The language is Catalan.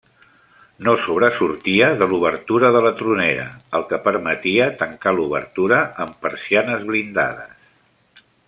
No sobresortia de l'obertura de la tronera, el que permetia tancar l'obertura amb persianes blindades.